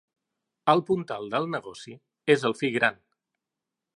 El puntal del negoci és el fill gran.